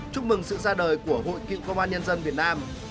chúc mừng sự ra đời của hội cựu công an nhân dân việt nam